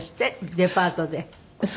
デパートで。